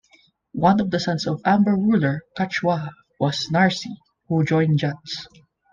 One of the sons of Amber ruler Kachwaha was Narsi who joined Jats.